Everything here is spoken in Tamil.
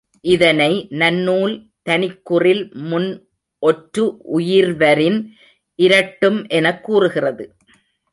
இதனை நன்னூல், தனிக் குறில் முன்ஒற்று உயிர்வரின் இரட்டும் எனக் கூறுகிறது.